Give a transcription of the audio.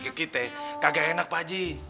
kekit ya kagak enak pak ji